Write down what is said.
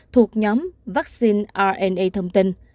thuộc nhóm vaccine rna thông tin